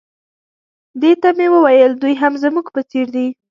دې ته مې وویل دوی هم زموږ په څېر دي.